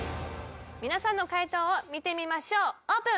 皆さんの解答を見てみましょうオープン！